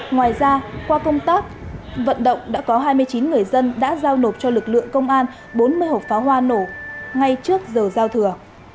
ngoài ra qua công tác vận động đã có hai mươi chín người dân đã giao nộp cho lực lượng công an bốn mươi hộp pháo hoa nổ ngay trước giờ giao thừa